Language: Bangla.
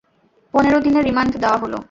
পনেরো দিনের রিমান্ড দেয়া হল।